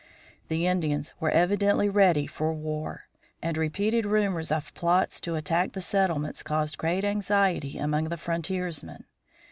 The Indians were evidently ready for war, and repeated rumors of plots to attack the settlements caused great anxiety among the frontiersmen.